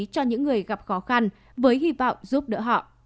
cho những người gặp khó khăn với hy vọng giúp đỡ họ